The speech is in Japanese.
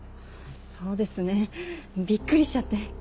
そうですねビックリしちゃって。